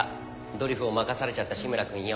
ドリフを任されちゃった志村君よ。